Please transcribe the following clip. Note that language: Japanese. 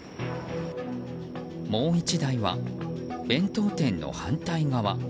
もう１台は、弁当店の反対側。